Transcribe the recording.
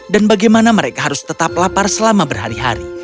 dan bagaimana mereka harus tetap lapar selama berhari hari